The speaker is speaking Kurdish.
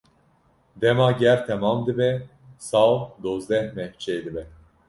Dema ger temam dibe, sal dozdeh meh çêdibe.